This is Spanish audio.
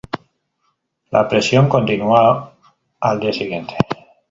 La presión continuó el día siguiente.